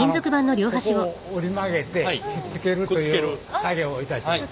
ここを折り曲げてひっつけるという作業をいたします。